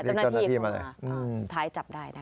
สุดท้ายจับได้นะครับ